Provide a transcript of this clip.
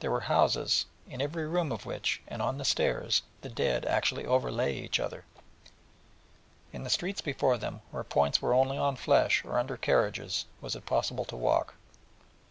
There were houses, in every room of which, and on the stairs, the dead actually overlay each other, and in the streets before them were points where only on flesh, or under carriages, was it possible to walk.